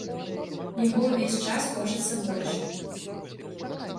Яго ўвесь час хочацца больш.